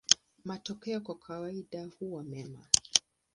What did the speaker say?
Matokeo kwa kawaida huwa mema.